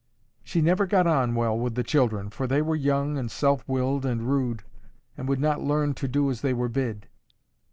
She never got on well with the children, for they were young and self willed and rude, and would not learn to do as they were bid.